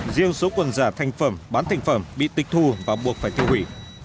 riêng số quần giả thành phẩm bán thành phẩm bị tịch thu và buộc phải tiêu hủy